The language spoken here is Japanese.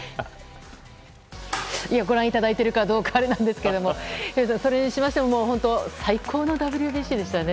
ご覧いただいてるかどうかあれなんですけどそれにしましても本当、最高のＷＢＣでしたよね。